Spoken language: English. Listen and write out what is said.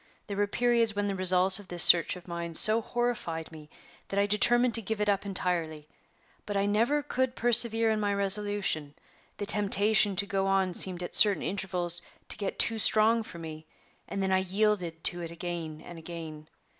There were periods when the results of this search of mine so horrified me that I determined to give it up entirely; but I never could persevere in my resolution; the temptation to go on seemed at certain intervals to get too strong for me, and then I yielded to it again and again.